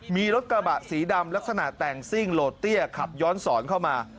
มีรถกระบะสีดำลักษณะแต่งซิ่งโหลดเตี้ยขับย้อนสอนเข้ามา